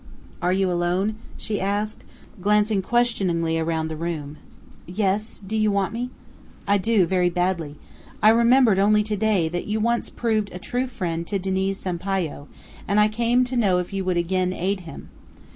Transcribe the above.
"Are you alone?" she asked, glancing questioningly round the room. "Yes. Did you want me?" "I do, very badly. I remembered only to day that you once proved a true friend to Diniz Sampayo, and I came to know if you would again aid him?"